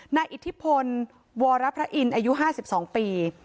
อิทธิพลวรพระอินทร์อายุ๕๒ปี